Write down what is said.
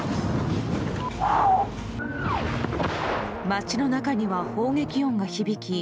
街の中には砲撃音が響き